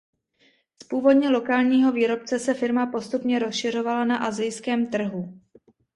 Z původně lokálního výrobce se firma postupně rozšiřovala na asijském trhu.